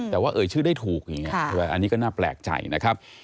แต่ว่าเอ่ยชื่อได้ถูกอย่างนี้อันนี้ก็น่าแปลกใจนะครับ